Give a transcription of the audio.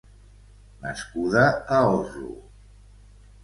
Nascuda a Oslo.